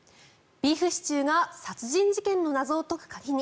ビーフシチューが殺人事件の謎を解く鍵に。